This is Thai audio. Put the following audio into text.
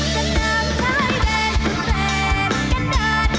สนามชายแดนสุดแฟนกันด้าน